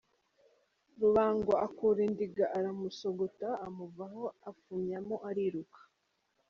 Rubango akura indiga aramusogota, amuvaho afumyamo ariruka.